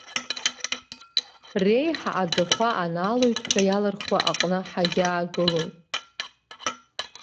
Реиҳа аӡахәа анаалоит ҳәа иалырхуа аҟны ҳагьаагылоит.